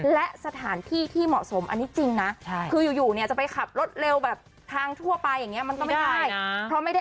และสถานที่ที่เหมาะสมอันนี้จริงนะคืออยู่เนี่ยจะไปขับรถเร็วแบบทางทั่วไปอย่างนี้มันก็ไม่ได้เพราะไม่ได้